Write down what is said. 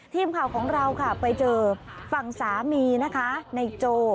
ทีมข่าวของเราไปเจอฝั่งสามีในโจ